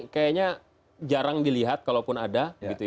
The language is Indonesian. kayaknya jarang dilihat kalaupun ada